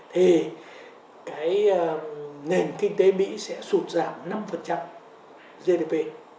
thì cái nền kinh tế mỹ sẽ sụt giảm năm gdp